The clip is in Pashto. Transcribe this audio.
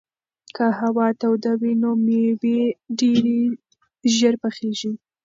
که هوا توده وي نو مېوې ډېرې ژر پخېږي.